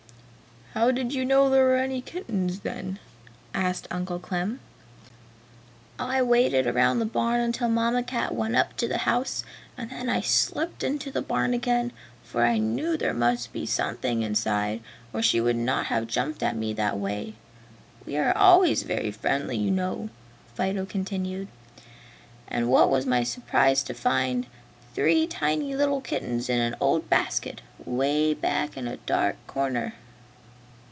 "How did you know there were any kittens then?" asked Uncle Clem. "I waited around the barn until Mamma Cat went up to the house and then I slipped into the barn again, for I knew there must be something inside or she would not have jumped at me that way! We are always very friendly, you know." Fido continued. "And what was my surprise to find three tiny little kittens in an old basket, 'way back in a dark corner!"